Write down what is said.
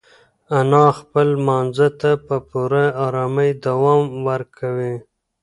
انا خپل لمانځه ته په پوره ارامۍ دوام ورکوي.